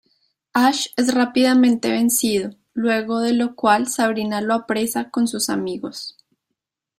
Ash es rápidamente vencido, luego de lo cual Sabrina lo apresa con sus amigos.